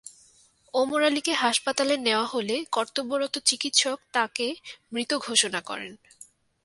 ওমর আলীকে হাসপাতালে নেওয়া হলে কর্তব্যরত চিকিৎসক তাঁকে মৃত ঘোষণা করেন।